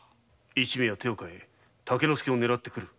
一味は手を変えて竹之助を狙ってくる。